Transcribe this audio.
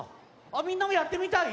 あっみんなもやってみたい？